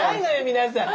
皆さん。